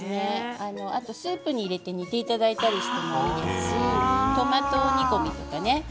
あとスープに入れて煮ていただいてもいいですしトマト煮込みとかね